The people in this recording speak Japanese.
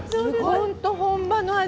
本当に本場の味。